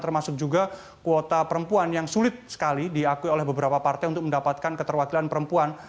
termasuk juga kuota perempuan yang sulit sekali diakui oleh beberapa partai untuk mendapatkan keterwakilan perempuan